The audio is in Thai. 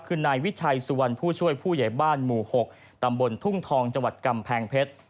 คือนายวิชัยสุวรรณผู้ช่วยผู้ใหญ่บ้านหมู่๖ตำบลทุ่งทองจังหวัดกำแพงเพชร